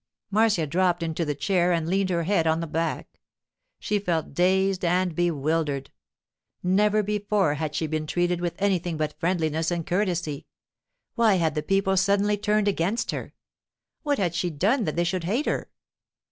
Marcia dropped into the chair and leaned her head on the back. She felt dazed and bewildered. Never before had she been treated with anything but friendliness and courtesy. Why had the people suddenly turned against her? What had she done that they should hate her?